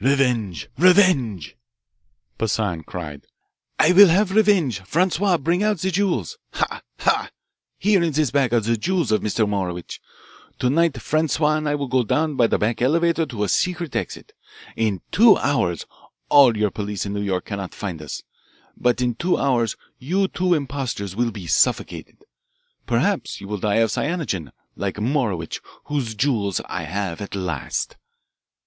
"Revenge! revenge!" Poissan cried. "I will have revenge. Francois, bring out the jewels ha! ha! here in this bag are the jewels of Mr. Morowitch. To night Francois and I will go down by the back elevator to a secret exit. In two hours all your police in New York cannot find us. But in two hours you two impostors will be suffocated perhaps you will die of cyanogen, like Morowitch, whose jewels I have at last."